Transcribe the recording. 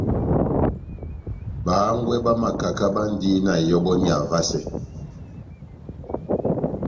Bahángwɛ bá makaka bandi na ihɔbɔniya vasɛ.